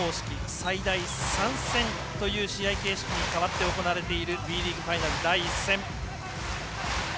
最大３戦という試合方式に変わって行われているＢリーグファイナル第１戦。